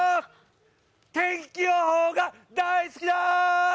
天気予報が大好きだ。